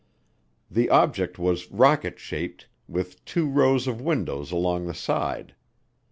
The object was rocket shaped, with two rows of windows along the side.